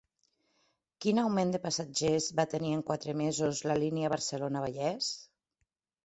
Quin augment de passatgers va tenir en quatre mesos la Línia Barcelona-Vallès?